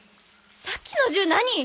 さっきの銃何？